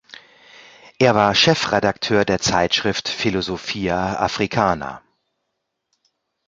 Er war Chefredakteur der Zeitschrift Philosophia Africana.